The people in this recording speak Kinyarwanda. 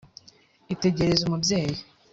Itegereze umubyeyi